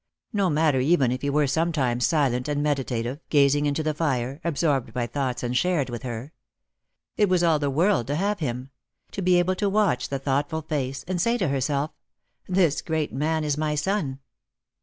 No matter even if he were sometimes silent and meditative, gazing into the fire, absorb ed by thoughts unshared with her. It was all the world to have him — to be able to watch the thoughtful face, and say to herself, " This great man is my son."